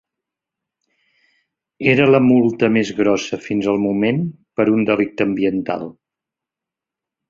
Era la multa més grossa fins al moment per un delicte ambiental.